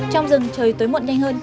trong rừng trời tối muộn nhanh hơn